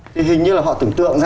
thì hình như là họ tưởng tượng ra